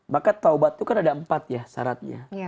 maka taubat itu kan ada empat ya syaratnya